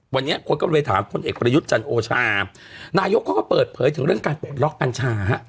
วันนี้คนก็เลยถามพลเอกประยุทธ์จันโอชานายกเขาก็เปิดเผยถึงเรื่องการปลดล็อกกัญชาฮะ